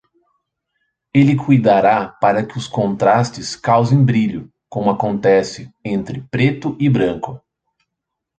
Ele cuidará para que os contrastes causem brilho, como acontece entre preto e branco.